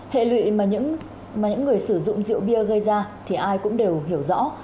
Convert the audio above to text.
hệ lụy mà những người sử dụng rượu bia gây ra thì ai cũng đều hiểu rõ